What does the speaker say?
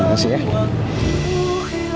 terima kasih ya